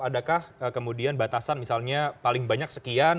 adakah kemudian batasan misalnya paling banyak sekian